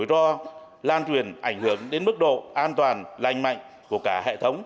đối do lan truyền ảnh hưởng đến mức độ an toàn lành mạnh của cả hệ thống